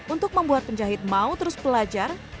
untuk membuat penjahit mau terus belajar